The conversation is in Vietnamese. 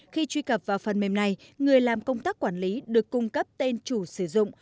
khi truy cập vào phần mềm này người làm công tác quản lý được cung cấp tên chủ sử dụng